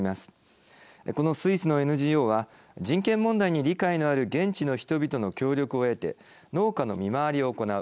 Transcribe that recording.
このスイスのＮＧＯは人権問題に理解のある現地の人々の協力を得て農家の見回りを行う。